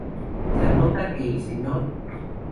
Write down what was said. Se anota que el Sr.